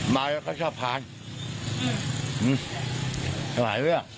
มาแล้วก็ชอบพา